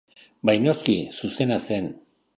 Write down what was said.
Bai noski, zuzena zen.